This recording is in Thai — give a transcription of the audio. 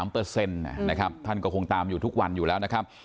๙๓เปอร์เซ็นต์นะครับท่านก็คงตามอยู่ทุกวันอยู่แล้วนะครับ